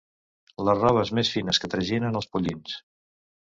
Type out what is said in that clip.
Les robes més fines que traginen els pollins.